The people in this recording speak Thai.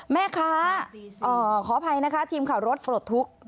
แม่ค้าขออภัยนะคะทีมข่าวรถปลดทุกข์